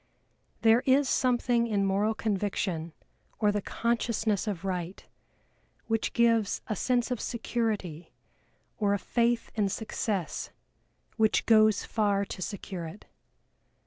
There is something in moral conviction or the consciousness of right which gives a sense of security or a faith in success which goes far to secure it.